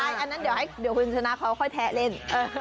อันนั้นเดี๋ยวคุณชนะเขาค่อยแทะเล่น